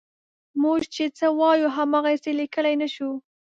موږ چې څه وایو هماغسې یې لیکلی نه شو.